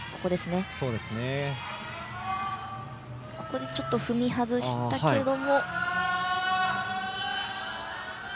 ここで、ちょっと踏み外したけども。